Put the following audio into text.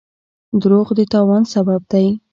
دروغ د تاوان سبب دی.